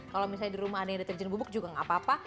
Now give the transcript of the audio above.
kalau misalnya di rumah ada yang deterjen bubuk juga nggak apa apa